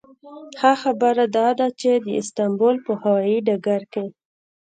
ښه خبره داده چې د استانبول په هوایي ډګر کې.